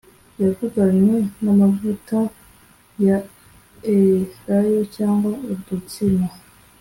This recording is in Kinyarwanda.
yavuganywe n amavuta ya elayo cyangwa udutsima